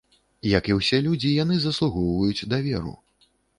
Як і ўсе людзі, яны заслугоўваюць даверу.